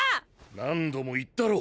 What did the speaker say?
何度も言ったろう。